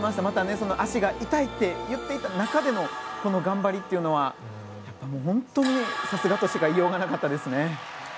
また足が痛いって言っていた中でもこの頑張りというのは本当にさすがとしか言いようがなかったですね。